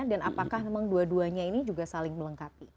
apakah memang dua duanya ini juga saling melengkapi